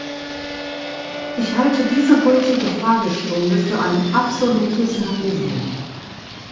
Ich halte diese heutige Fragestunde für ein absolutes Novum.